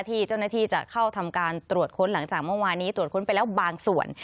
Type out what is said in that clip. ที่เจ้าหน้าที่จะเข้าทำการตรวจค้นหลังจากเมื่อวานี้ตรวจค้นไปแล้วบางส่วน